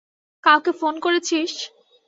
কাউকে ফোন করেছিস?